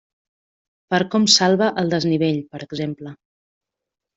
Per com salva el desnivell, per exemple.